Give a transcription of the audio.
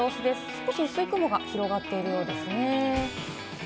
少し薄い雲が広がっているようですね。